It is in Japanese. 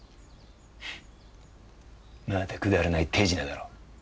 フンまたくだらない手品だろ？